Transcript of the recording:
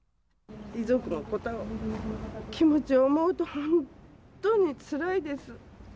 遺族の方の気持ちを思うと、本当につらいです。